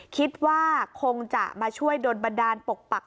คิดว่าคงจะมาช่วยโดนบันดาลปกปัก